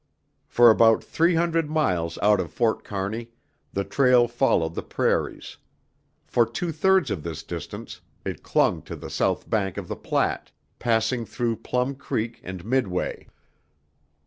For about three hundred miles out of Fort Kearney, the trail followed the prairies; for two thirds of this distance, it clung to the south bank of the Platte, passing through Plum Creek and Midway.